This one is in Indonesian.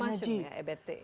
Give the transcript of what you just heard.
macem macem ya ebt